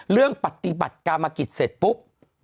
เรื่องปฏิบัติกรรมกิจเสร็จปุ๊บ